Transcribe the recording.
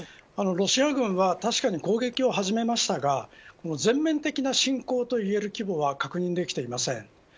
ロシア軍は確かに攻撃を始めましたが全面的な侵攻といえる規模は確認できていません。